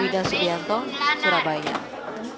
dan berita terkini dari kppi